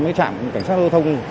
với trạm cảnh sát giao thông